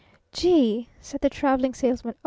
"Gee!" said the Traveling Salesman.